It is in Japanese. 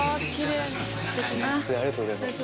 ありがとうございます。